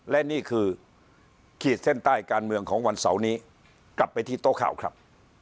และนี่คือขีดเส้นใต้การเมืองของวันเสาร์นี้กลับไปที่โต๊ะข่าวครับ